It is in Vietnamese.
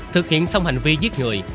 thực hiện xong hành vi giết người